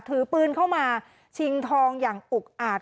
ถือปืนเข้ามาชิงทองอย่างอุกอาจ